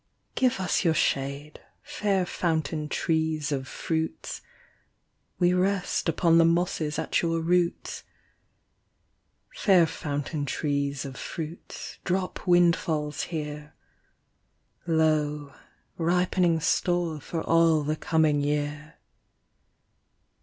Give us your shade, fair fountain trees of fruits ; We rest upon the mosses at your roots : Fair fountain trees of fruits, drop windfalls here ; Lo, ripening store for all the coming year.